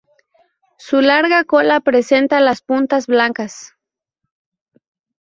Su larga cola presenta las puntas blancas.